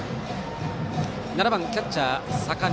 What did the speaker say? ７番キャッチャー、坂根。